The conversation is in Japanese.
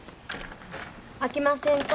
あきませんか？